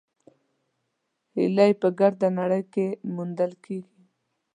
هیلۍ په ګرده نړۍ کې موندل کېږي